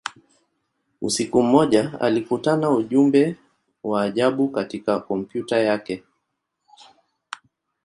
Usiku mmoja, alikutana ujumbe wa ajabu katika kompyuta yake.